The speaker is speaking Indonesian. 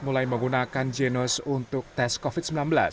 mulai menggunakan genos untuk tes covid sembilan belas